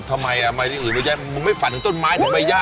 จำหน้าไม่ได้แต่รู้ว่าใส่เสื้อขายองค์เกรงยีนย์